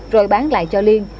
rồi bán lại cho liên